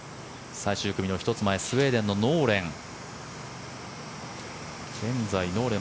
最終組の１つ前スウェーデンのノーレン。